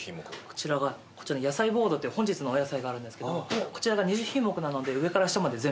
こちらの野菜ボードっていう本日のお野菜があるんですけどこちらが２０品目なので上から下まで全部。